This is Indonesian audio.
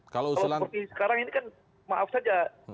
kalau seperti sekarang ini kan maaf saja